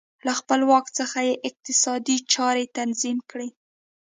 له خپل واک څخه یې اقتصادي چارې تنظیم کړې